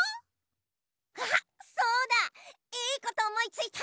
あっそうだいいことおもいついた！